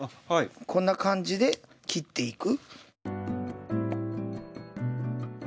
こんな感じで切っていく。